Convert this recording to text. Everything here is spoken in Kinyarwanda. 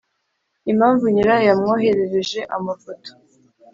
i mpamvu nyirayo yamwoherereje amafoto